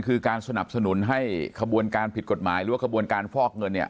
คือการสนับสนุนให้ขบวนการผิดกฎหมายหรือว่าขบวนการฟอกเงินเนี่ย